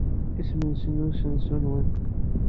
Isem-nnes usensu-nwen?